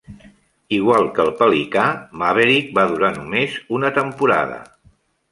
Igual que el Pelicà, Maverick va durar només una temporada.